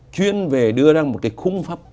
chuyên về đưa ra một cái khung pháp